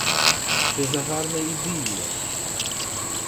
Що за гарна ідилія!